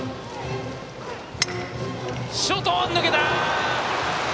ショート、抜けた！